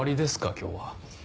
今日は。